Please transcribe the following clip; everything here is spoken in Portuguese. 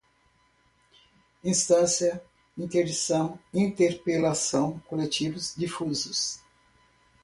instância, interdição, interpelação, coletivos, difusos